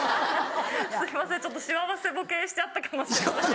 すいませんちょっと幸せぼけしちゃったかもしれません。